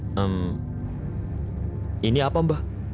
ini adalah perhubungan yang saya inginkan